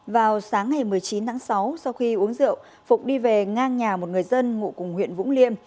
vào sáng ngày một mươi chín tháng sáu sau khi uống rượu phục đi về ngang nhà một người dân ngụ cùng huyện vũng liêm